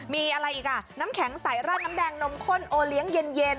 มีอะไรอีกอ่ะน้ำแข็งใสราดน้ำแดงนมข้นโอเลี้ยงเย็น